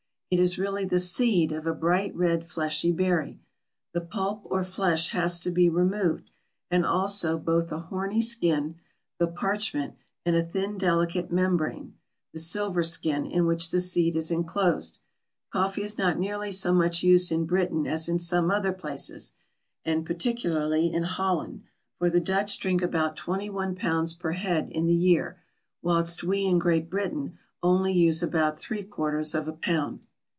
It is really the seed of a bright red, fleshy berry. The pulp or flesh has to be removed, and also both a horny skin, the "parchment," and a thin delicate membrane, the "silverskin," in which the seed is enclosed. Coffee is not nearly so much used in Britain as in some other places, and particularly in Holland, for the Dutch drink about twenty one pounds per head in the year, whilst we in Great Britain only use about three quarters of a pound.